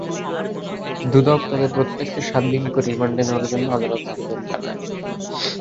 দুদক তাঁদের প্রত্যেককে সাত দিন করে রিমান্ডে নেওয়ার জন্য আদালতে আবেদন জানায়।